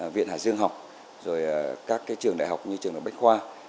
viện hải dương học rồi các trường đại học như trường đồng bách khoa